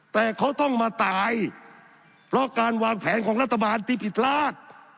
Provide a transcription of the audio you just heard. แต่เขาต้องมาตายเพราะการวางแผนของรัฐบาลที่ผิดพลาด